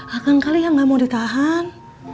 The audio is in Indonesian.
akang kali yang gak mau ditahan